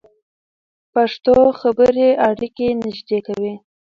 پښتو خبرې اړیکې نږدې کوي.